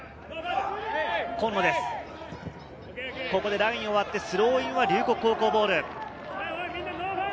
ラインを割って、スローインは龍谷高校ボール。